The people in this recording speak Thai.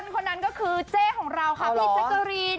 คนนั้นก็คือเจ๊ของเราค่ะพี่แจ๊กกะรีน